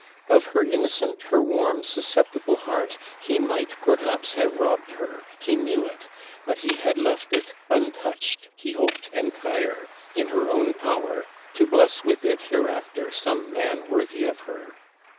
Of her innocent, her warm, susceptible heart, he might perhaps have robbed her he knew it but he had left it untouched, he hoped entire, in her own power, to bless with it hereafter some man worthy of her.